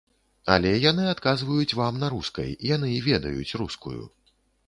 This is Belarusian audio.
Але яны адказваюць вам на рускай, яны ведаюць рускую.